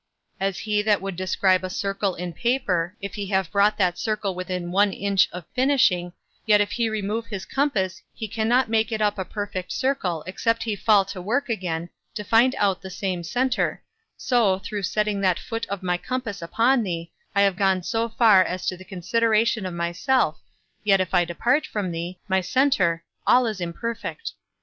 As he that would describe a circle in paper, if he have brought that circle within one inch of finishing, yet if he remove his compass he cannot make it up a perfect circle except he fall to work again, to find out the same centre, so, though setting that foot of my compass upon thee, I have gone so far as to the consideration of myself, yet if I depart from thee, my centre, all is imperfect.